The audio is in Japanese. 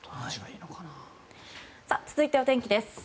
続いてお天気です。